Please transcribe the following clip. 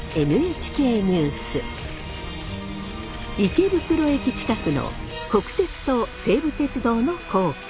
池袋駅近くの国鉄と西武鉄道の高架